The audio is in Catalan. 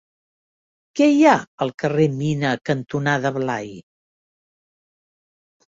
Què hi ha al carrer Mina cantonada Blai?